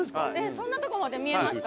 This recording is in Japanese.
そんなとこまで見えました？